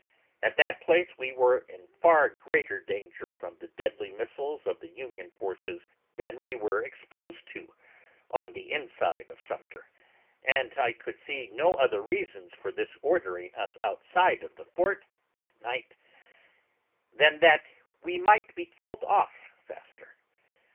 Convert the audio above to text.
At that place we were in far greater danger from the deadly missiles of the Union forces than we were exposed to on the inside of Sumter, and I could see no other reasons for his ordering us outside of the fort that night than that we might be killed off faster.